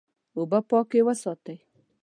اوبه پاکې وساتئ.